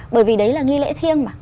bởi vì đấy là nghi lễ thiêng mà